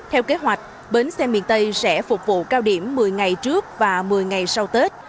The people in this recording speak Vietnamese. theo kế hoạch bến xe miền tây sẽ phục vụ cao điểm một mươi ngày trước và một mươi ngày sau tết